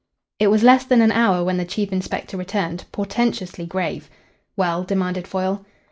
It was less than an hour when the chief inspector returned, portentously grave. "Well?" demanded Foyle.